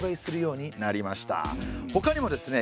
ほかにもですね